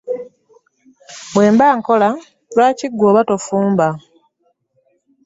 Bwe mba nkola lwaki ggwe oba tofumba?